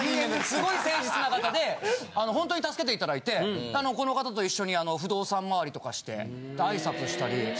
すごい誠実な方でホントに助けていただいてこの方と一緒に不動産回りとかして挨拶したり。